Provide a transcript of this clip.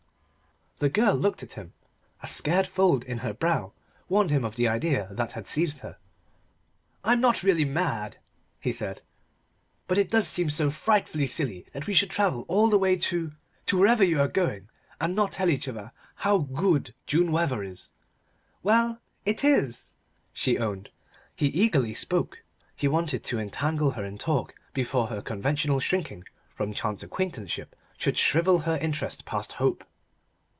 The girl looked at him. A scared fold in her brow warned him of the idea that had seized her. "I'm really not mad," he said; "but it does seem so frightfully silly that we should travel all the way to to wherever you are going, and not tell each other how good June weather is." "Well it is!" she owned. He eagerly spoke: he wanted to entangle her in talk before her conventional shrinking from chance acquaintanceship should shrivel her interest past hope.